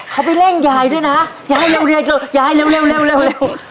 เขาไปเร่งยายด้วยนะยายเร็วเร็วเร็วยายเร็วเร็วเร็วเร็วเร็ว